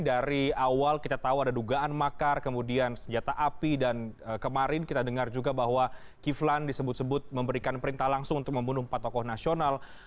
dari awal kita tahu ada dugaan makar kemudian senjata api dan kemarin kita dengar juga bahwa kiflan disebut sebut memberikan perintah langsung untuk membunuh empat tokoh nasional